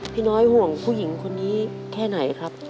น้อยห่วงผู้หญิงคนนี้แค่ไหนครับ